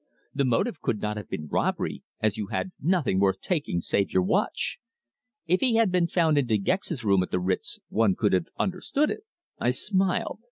The motive could not have been robbery, as you had nothing worth taking save your watch. If he had been found in De Gex's room at the Ritz one could have understood it." I smiled.